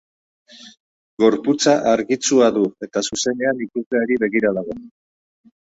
Gorputza argitsua du, eta zuzenean ikusleari begira dago.